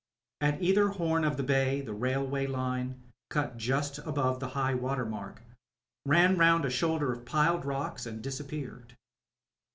At either horn of the bay the railway line, cut just above high water mark, ran round a "houlder of piled rocks, and disappeared.